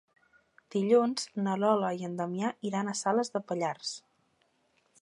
Dilluns na Lola i en Damià iran a Salàs de Pallars.